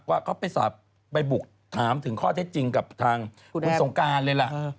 ว่าเขาไปบุกถามถึงข้อเท็จจริงกับทางคุณสงการเลยล่ะ